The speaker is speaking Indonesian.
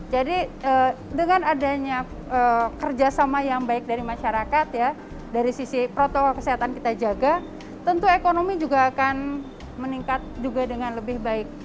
jadi dengan adanya kerjasama yang baik dari masyarakat ya dari sisi protokol kesehatan kita jaga tentu ekonomi juga akan meningkat juga dengan lebih baik